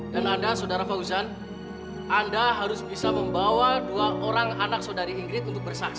dan anda saudara fauzan anda harus bisa membawa dua orang anak saudari ingrid untuk bersaksi